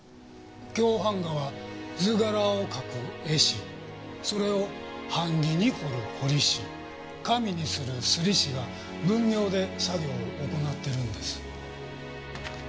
京版画は図柄を描く絵師それを版木に彫る彫師紙に摺る摺師が分業で作業を行ってるんです。